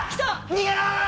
逃げろ！